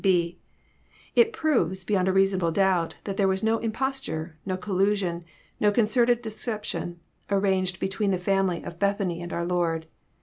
(5) It proves, beyond a reasonable donbt, that there was no Impostnre, no collusion, no concerted deception, arranged be tween the family of Bethany and our Lord.